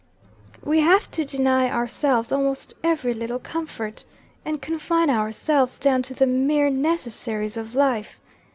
"We have to deny ourselves almost every little comfort, and confine ourselves down to the mere necessaries of life.